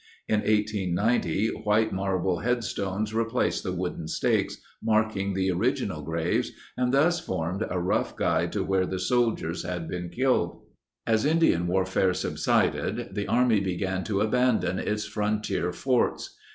In 1890 white marble headstones replaced the wooden stakes marking the original graves and thus formed a rough guide to where the soldiers had been killed. As Indian warfare subsided, the Army began to abandon its frontier forts.